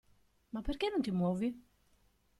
Ma perché non ti muovi?